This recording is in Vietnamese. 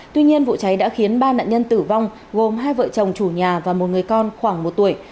tuy nhiên vụ cháy đã khiến ba nạn nhân tử vong gồm hai vợ chồng chủ nhà và một người con khoảng một tuổi